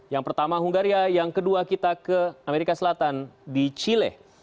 yang pertama hungaria yang kedua kita ke amerika selatan di chile